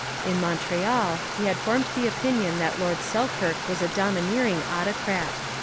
In Montreal he had formed the opinion that Lord Selkirk was a domineering autocrat.